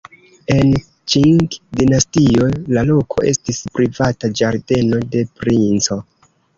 En Ĉing-dinastio la loko estis privata ĝardeno de princo.